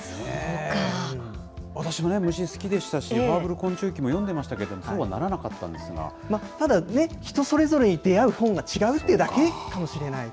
私もね、虫好きでしたし、ファーブル昆虫記も読んでましたけど、そうはならなかったんですただね、人それぞれに出会う本が違うというだけかもしれない。